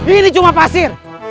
ini cuma pasir